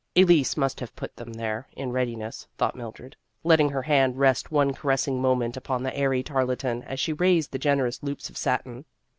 Elise must have put them there in readi ness, thought Mildred, letting her hand rest one caressing moment upon the airy tarlatan as she raised the generous loops of satin.